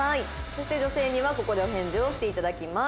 そして女性にはここでお返事をして頂きます。